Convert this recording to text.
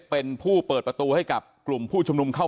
ทางรองศาสตร์อาจารย์ดรอคเตอร์อัตภสิตทานแก้วผู้ชายคนนี้นะครับ